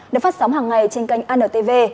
được phát sóng hàng ngày trên kênh anntv